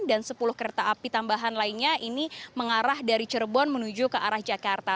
dan sepuluh kereta api tambahan lainnya ini mengarah dari cerbon menuju ke arah jakarta